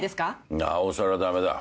なおさら駄目だ。